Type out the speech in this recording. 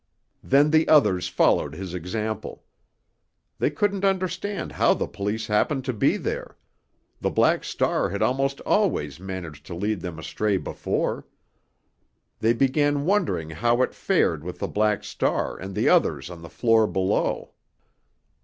Then the others followed his example. They couldn't understand how the police happened to be there—the Black Star had almost always managed to lead them astray before. They began wondering how it fared with the Black Star and the others on the floor below.